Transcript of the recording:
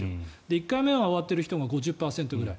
１回目が終わっている人が５０％ぐらい。